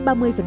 tổng thị phần